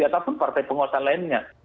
ataupun partai penguasa lainnya